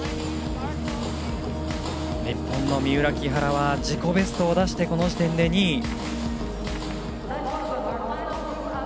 日本の三浦、木原は自己ベストを出してこの時点で２位。